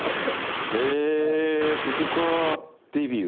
へぇそこからデビュー。